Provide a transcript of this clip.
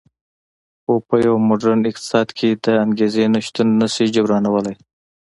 خو په یو موډرن اقتصاد کې د انګېزې نشتون نه شي جبرانولی